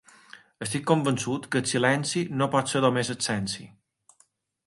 Estic convençut que el silenci no pot ser només absència.